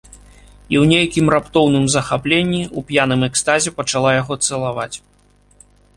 І ў нейкім раптоўным захапленні, у п'яным экстазе пачала яго цалаваць.